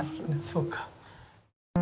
そうか。